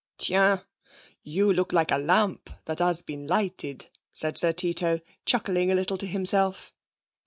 'Tiens! You look like a lamp that has been lighted,' said Sir Tito, chuckling a little to himself.